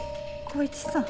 公一さん？